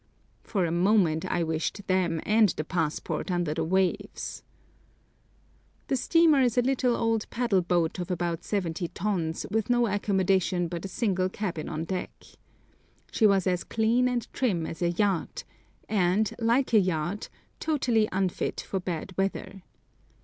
For a moment I wished them and the passport under the waves! The steamer is a little old paddle boat of about 70 tons, with no accommodation but a single cabin on deck. She was as clean and trim as a yacht, and, like a yacht, totally unfit for bad weather.